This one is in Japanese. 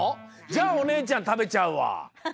じゃあおねえちゃん食べちゃうわ！